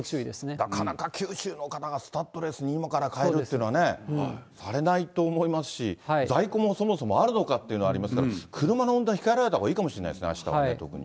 なかなか九州の方が、スタッドレス、今からかえるというのはね、されないと思いますし、在庫もそもそもあるのかというのがありますから、車の運転、控えられた方がいいかもしれませんね、あしたはね、特に。